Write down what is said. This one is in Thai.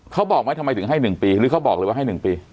เขาบอกไหมทำไมถึงให้๑ปีหรือเขาบอกเลยว่าให้๑ปี